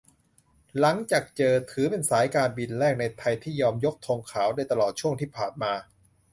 หลังจากเจอ ถือเป็นสายการบินแรกในไทยที่ยอมยกธงขาว โดยตลอดช่วงที่ผ่านมา